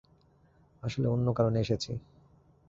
আসলে অন্য কারণে এসেছি।